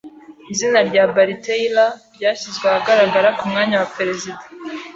Izina rya Barry Taylor ryashyizwe ahagaragara ku mwanya wa perezida.